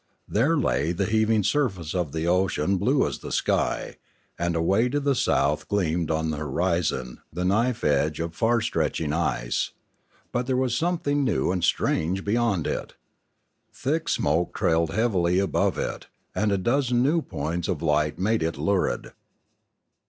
There lay the heaving surface of the ocean blue as the sky, and away to the south gleamed on the horizon the knife edge of far stretching ice. But there was something new and 698 Limanora strange beyond it. Thick smoke trailed beavily above it, and a dozen new points of light made it lurid.